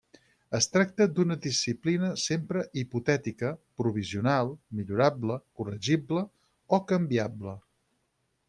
Es tracta d'una disciplina sempre hipotètica, provisional, millorable, corregible, o canviable.